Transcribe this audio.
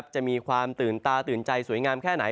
จะมีความตื่นตาตื่นใจสวยงามแค่ไหน